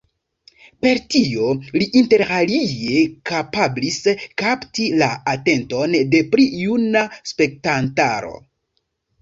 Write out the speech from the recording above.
Per tio li interalie kapablis kapti la atenton de pli juna spektantaro.